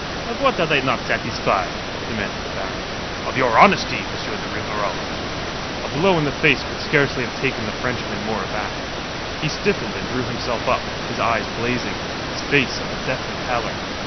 "Of what are they not satisfied?" demanded the Baron. "Of your honesty, M. de Rivarol." A blow in the face could scarcely have taken the Frenchman more aback. He stiffened, and drew himself up, his eyes blazing, his face of a deathly pallor.